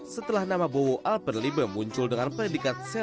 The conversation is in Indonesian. setelah nama bowo alperliba muncul dengan predikat